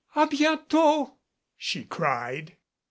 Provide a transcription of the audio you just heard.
"A bientot," she cried.